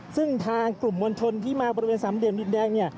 ซึ่งทางกลุ่มวลชนที่มาบริเวณสำเรียนรินแดง